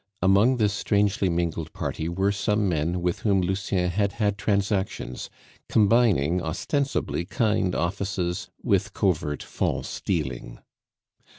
Among this strangely mingled party were some men with whom Lucien had had transactions, combining ostensibly kind offices with covert false dealing.